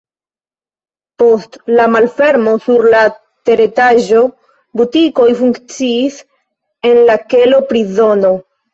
Post la malfermo sur la teretaĝo butikoj funkciis, en la kelo prizono.